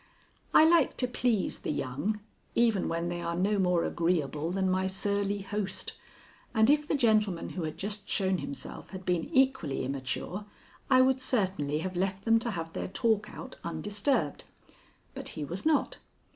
I like to please the young even when they are no more agreeable than my surly host, and if the gentleman who had just shown himself had been equally immature, I would certainly have left them to have their talk out undisturbed. But he was not.